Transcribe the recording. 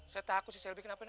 saya takut si selby kenapa napa